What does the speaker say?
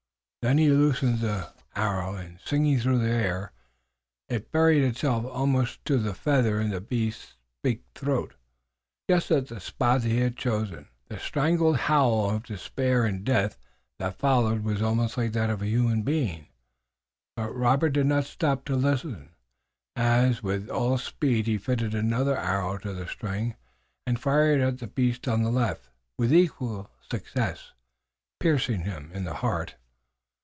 Then he loosed the arrow, and, singing through the air, it buried itself almost to the feather in the big beast's throat, just at the spot that he had chosen. The strangled howl of despair and death that followed was almost like that of a human being, but Robert did not stop to listen, as with all speed he fitted another arrow to the string and fired at the beast on the left, with equal success, piercing him in the heart.